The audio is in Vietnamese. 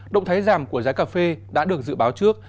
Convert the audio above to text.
động thái giảm của giá cà phê đã được dự báo trước